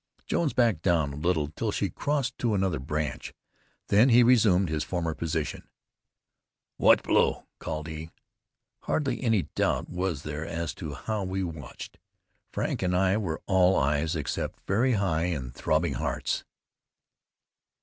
Jones backed down a little till she crossed to another branch, then he resumed his former position. "Watch below," called he. Hardly any doubt was there as to how we watched. Frank and I were all eyes, except very high and throbbing hearts.